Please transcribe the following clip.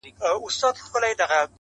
چي تړلي مدرسې وي د پنجاب د واسکټونو -